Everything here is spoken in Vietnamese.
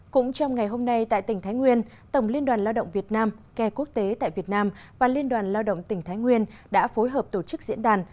cũng trong ngày hôm nay tại tỉnh thái nguyên tổng liên đoàn lao động việt nam kè quốc tế tại việt nam và liên đoàn lao động tỉnh thái nguyên đã phối hợp tổ chức diễn đàn